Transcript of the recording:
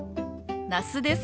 那須です。